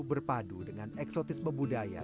berpadu dengan eksotisme budaya